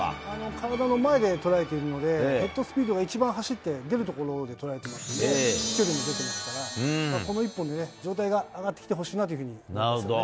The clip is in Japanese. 体の前で捉えているので、ヘッドスピードが一番走って出るところを捉えてますんで、飛距離も出てますから、この一本で状態が上がってきてほしいなというふうに思いますね。